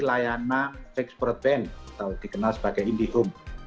layanan fix broadband atau dikenal sebagai indihome